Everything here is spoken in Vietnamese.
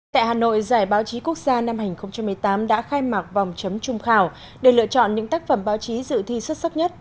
tại hà nội giải báo chí quốc gia năm hai nghìn một mươi tám đã khai mạc vòng chấm trung khảo để lựa chọn những tác phẩm báo chí dự thi xuất sắc nhất